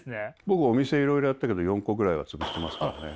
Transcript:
僕お店いろいろやったけど４個ぐらいは潰してますからね。